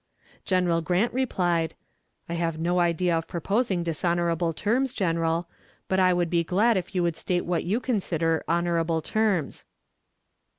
General Grant replied: "I have no idea of proposing dishonorable terms, General, but I would be glad if you would state what you consider honorable terms."